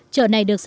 chợ này được